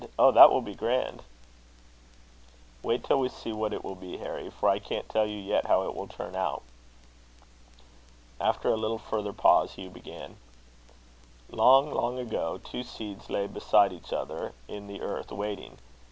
Oh! that will be grand!" "Wait till we see what it will be, Harry; for I can't tell you how it will turn out." After a little further pause, Hugh began: "Long, long ago, two seeds lay beside each other in the earth, waiting.